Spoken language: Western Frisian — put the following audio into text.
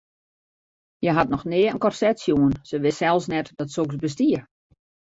Hja hat noch nea in korset sjoen, se wist sels net dat soks bestie.